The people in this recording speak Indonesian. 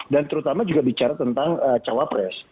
dan terutama juga bicara tentang cawapres